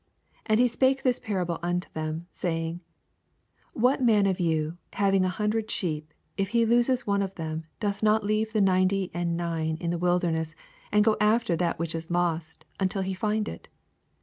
8 And he spake this piarable unto them, saying, 4 What man of von, having an hundred sheep, if he lose one of tnem, doth not leave the ninety and nine in the wilderness, and ffo after that which is lost, until he Ind it